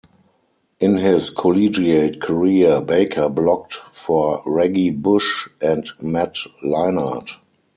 In his collegiate career Baker blocked for Reggie Bush and Matt Leinart.